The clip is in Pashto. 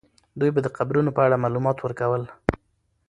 دوی به د قبرونو په اړه معلومات ورکولې.